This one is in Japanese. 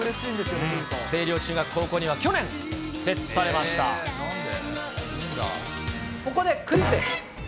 青稜中学・高校には去年、ここでクイズです。